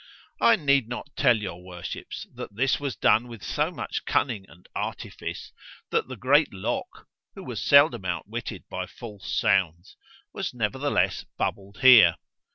I need not tell your worships, that this was done with so much cunning and artifice——that the great Locke, who was seldom outwitted by false sounds——was nevertheless bubbled here.